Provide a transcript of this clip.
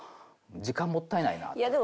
時間もったいないなって。